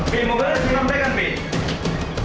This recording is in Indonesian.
bimbo berhasil memperkenal